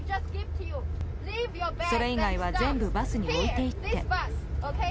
それ以外は全部バスに置いていって。